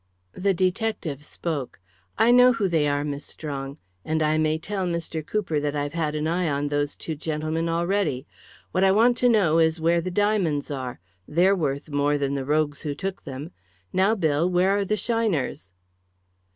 The detective spoke. "I know who they are, Miss Strong. And I may tell Mr. Cooper that I've had an eye on those two gentlemen already. What I want to know is where the diamonds are. They're worth more than the rogues who took them. Now, Bill, where are the shiners?"